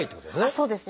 そうですね。